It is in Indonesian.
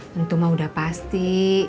tentu mak udah pasti